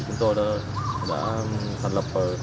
chúng tôi đã thành lập